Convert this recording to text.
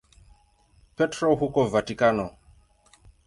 Petro huko Vatikano.